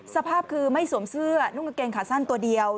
สภาพคือไม่สวมเสื้อนุ่งกางเกงขาสั้นตัวเดียว